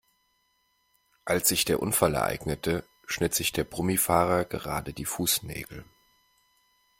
Als sich der Unfall ereignete, schnitt sich der Brummi-Fahrer gerade die Fußnägel.